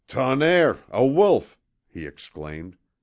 "TONNERRE! a wolf!" he exclaimed.